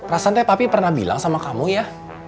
rasanya apa pi pernah bilang sama kamu ya